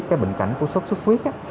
cái bệnh cảnh của sốt sốt huyết á